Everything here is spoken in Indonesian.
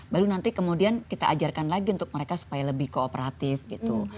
baru nanti kemudian kita ajarkan lagi untuk mereka supaya lebih kooperatif gitu